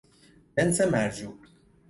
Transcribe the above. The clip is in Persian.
جنس مرجوع